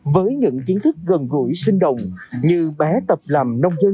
với những kiến thức gần gũi sinh đồng như bé tập làm nông dưng